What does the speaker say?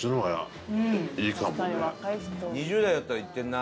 ２０代だったらいってるな。